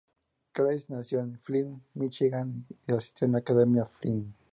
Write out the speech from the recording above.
Crews nació en Flint, Michigan, y asistió a la Academia Flint.